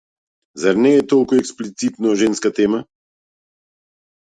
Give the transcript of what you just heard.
Зар не е тоа експлицитно женска тема?